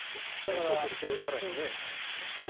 そうすると更にね。